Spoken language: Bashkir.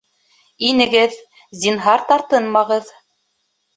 Инегеҙ! Зинһар тартынмағыҙ!